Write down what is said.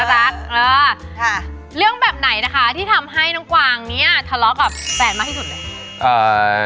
รักเออค่ะเรื่องแบบไหนนะคะที่ทำให้น้องกวางเนี่ยทะเลาะกับแฟนมากที่สุดเลย